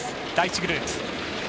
第１グループ。